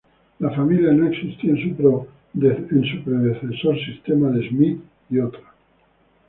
La familia no existía en su predecesor sistema de Smith "et al.